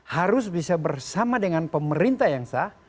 harus bisa bersama dengan pemerintah yang sah